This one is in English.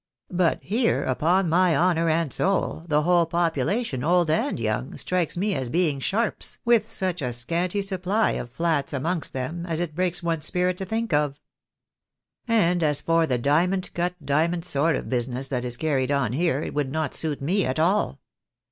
But here, upon my honour and soul, the whole population, old and young, strikes me as being sharps, with such a scanty supply of Jlats amongst them, as it breaks one's spirit to think of. And as for the diamond cut diamond sort of business, that is carried on here, it would not suit me at all.